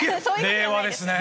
令和ですね。